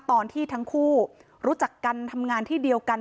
ตอนที่ทั้งคู่รู้จักกันทำงานที่เดียวกัน